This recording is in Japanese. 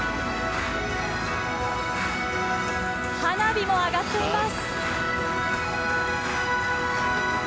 花火も上がっています！